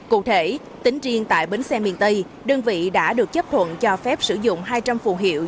cụ thể tính riêng tại bến xe miền tây đơn vị đã được chấp thuận cho phép sử dụng hai trăm linh phù hiệu